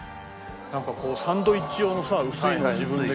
なんかこうサンドイッチ用のさ薄いのを自分で切れる。